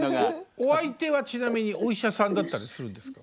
お相手はちなみにお医者さんだったりするんですか？